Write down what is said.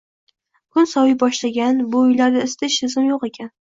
Kun soviy boshlagan, bu uylarda isitish tizimi yo`q ekan